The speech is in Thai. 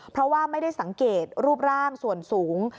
เพราะว่าไม่ได้สังเกตรูปร่างส่วนสูง